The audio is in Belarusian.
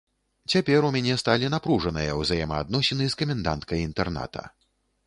Цяпер у мяне сталі напружаныя ўзаемаадносіны з каменданткай інтэрната.